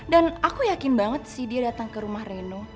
dan aku yakin banget sih dia datang ke rumah reno